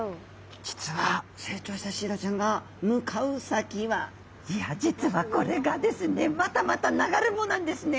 実は成長したシイラちゃんが向かう先はいや実はこれがですねまたまた流れ藻なんですね。